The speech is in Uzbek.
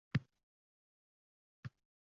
o‘zining ish joyi saqlanib qolinadigan